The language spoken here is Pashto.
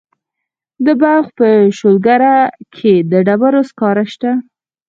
د بلخ په شولګره کې د ډبرو سکاره شته.